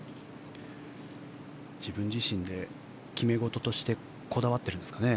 自分自身で決め事としてこだわってるんですかね。